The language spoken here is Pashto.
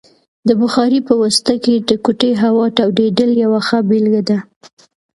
د بخارۍ په واسطه د کوټې هوا تودیدل یوه ښه بیلګه ده.